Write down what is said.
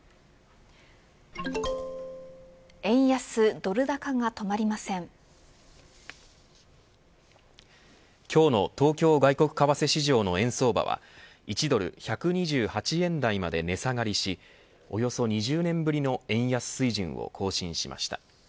円安ドル高が止今日の東京外国為替市場の円相場は１ドル１２８円台まで値下がりしおよそ２０年ぶりの円安水準を更新しました。